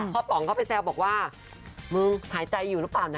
ป๋องเข้าไปแซวบอกว่ามึงหายใจอยู่หรือเปล่านะ